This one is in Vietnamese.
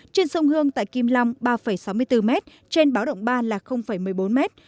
trên sông hương tại kim lâm ba sáu mươi bốn mét trên bão động ba là một mươi bốn mét